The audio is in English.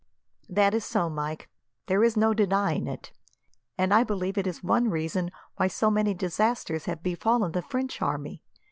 "That is so, Mike. There is no denying it. And I believe it is one reason why so many disasters have befallen the French army.